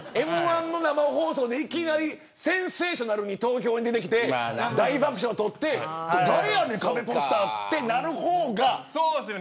Ｍ‐１の生放送でいきなりセンセーショナルに東京に出てきて大爆笑とって誰やねんそうなんですよ